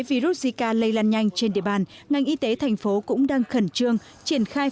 virus zika lây lan nhanh trên địa bàn ngành y tế thành phố cũng đang khẩn trương triển khai